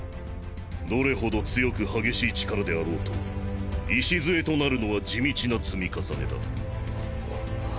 どれほど強く激しい力であろうと礎となるのは地道な積み重ねだ。